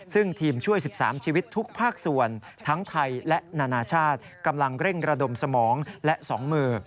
ซึ่งทีมช่วย๑๓ชีวิตทุกภาคส่วนทั้งไทยและนานาชาติกำลังเร่งระดมสมองและ๒มือ